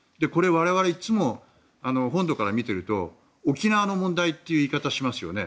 我々いつも本土から見てると沖縄の問題という言い方をしますよね。